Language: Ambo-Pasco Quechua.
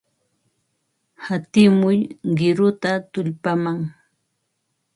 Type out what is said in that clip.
Hatimuy qiruta tullpaman.